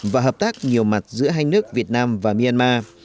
và hợp tác nhiều mặt giữa hai nước việt nam và myanmar